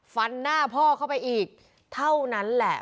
ฟันหน้าพ่อเข้าไปอีกเท่านั้นแหละ